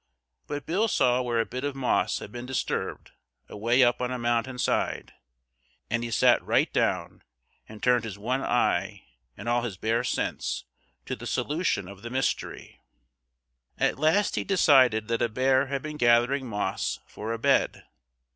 But Bill saw where a bit of moss had been disturbed away up on a mountain side, and he sat right down and turned his one eye and all his bear sense to the solution of the mystery. At last he decided that a bear had been gathering moss for a bed.